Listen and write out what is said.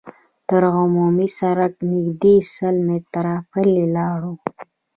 تر عمومي سړکه نږدې سل متره پلي لاړو.